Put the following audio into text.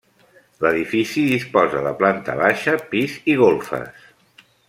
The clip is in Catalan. L'edifici disposa de planta baixa, pis i golfes.